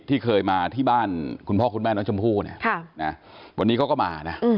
ที่เคยมาที่บ้านคุณพ่อคุณแม่น้องชมพู่เนี่ยนะวันนี้เขาก็มานะ